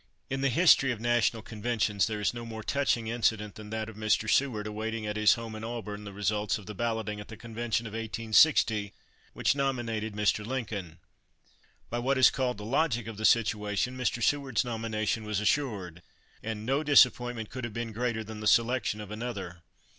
In the history of national conventions there is no more touching incident than that of Mr. Seward awaiting at his home in Auburn the result of the balloting at the convention of 1860, which nominated Mr. Lincoln. By what is called the logic of the situation Mr. Seward's nomination was assured, and no disappointment could have been greater than the selection of another.